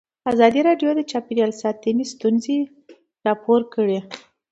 ازادي راډیو د چاپیریال ساتنه ستونزې راپور کړي.